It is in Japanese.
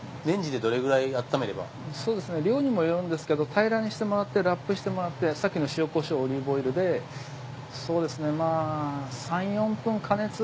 量にもよるんですけど平らにしてもらってラップしてもらってさっきの塩・コショウオリーブオイルでそうですねまあ。